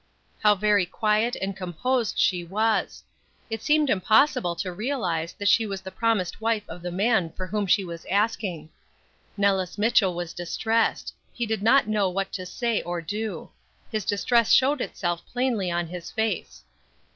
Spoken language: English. How very quiet and composed she was! It seemed impossible to realize that she was the promised wife of the man for whom she was asking. Nellis Mitchell was distressed; he did not know what to say or do. His distress showed itself plainly on his face.